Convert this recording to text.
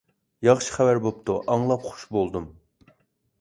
ياخشى خەۋەر بوپتۇ، ئاڭلاپ خۇش بولدۇم.